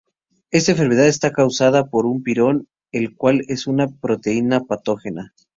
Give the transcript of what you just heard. Esta enfermedad está causada por un prion el cual es una proteína patógena.